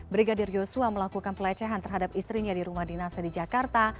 brigadir yosua melakukan pelecehan terhadap istrinya di rumah dinasnya di jakarta